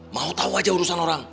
mau tahu aja urusan orang